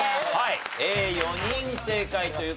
４人正解という事で。